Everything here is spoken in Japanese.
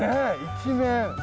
一面。